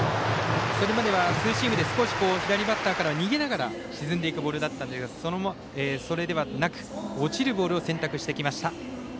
それまではツーシームで左バッターからは逃げながら沈んでいくボールだったんですがそれではなく落ちるボールを選択してきました。